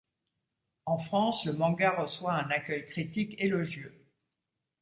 En France, le manga reçoit un accueil critique élogieux.